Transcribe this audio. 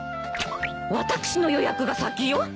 私の予約が先よ！